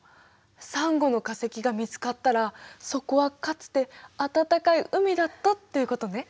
サンゴの化石が見つかったらそこはかつて暖かい海だったということね。